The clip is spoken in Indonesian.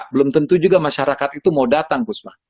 belum tentu juga masyarakat itu mau datang puspa